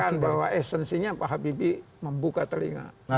kan tadi saya katakan bahwa esensinya pak habibie membuka telinga mata